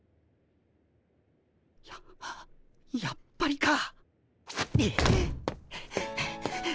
ややっぱりか！